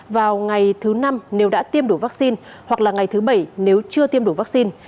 vào ngày thứ năm nếu đã tiêm đủ vaccine hoặc là ngày thứ bảy nếu chưa tiêm đủ vaccine